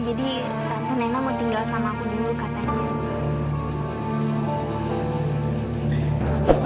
jadi tante nena mau tinggal sama aku dulu katanya